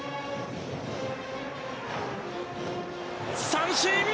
三振！